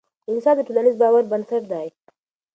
انصاف د ټولنیز باور بنسټ دی